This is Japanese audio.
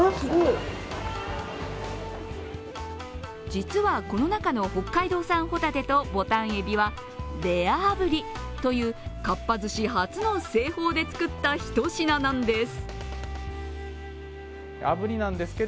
実はこの中の北海道産ほたてとぼたん海老は、レア炙りという、かっぱ寿司初の製法で作った一品なんです。